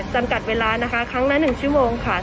จำกัดเวลานะคะครั้งละ๑ชั่วโมงค่ะ